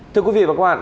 thưa quý vị và các bạn